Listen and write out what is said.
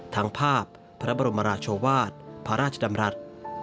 ทั้งภาพพระบรมราชวาสพระราชดำรัฐ